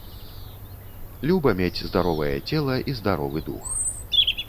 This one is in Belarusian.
Люба мець здаровае цела і здаровы дух.